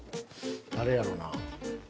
誰やろな。